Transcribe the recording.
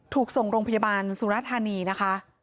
ถูกส่งโรงพยาบาลสุรธานีนะคะ